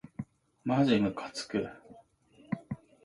まじむかつく